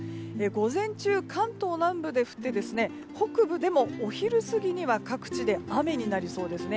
午前中、関東南部で降って北部でもお昼過ぎには各地で雨になりそうです。